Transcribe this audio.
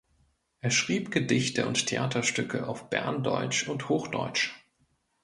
Er schrieb Gedichte und Theaterstücke auf Berndeutsch und Hochdeutsch.